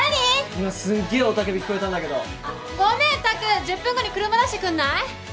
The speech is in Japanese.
今すげえ雄叫び聞こえたんだけどごめん拓１０分後に車出してくんない？